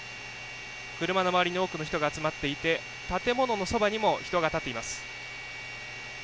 車の周りに多くの人が集まっていて建物のそばにも人が立っています。